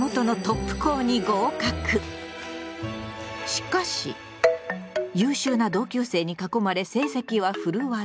しかし優秀な同級生に囲まれ成績は振るわず。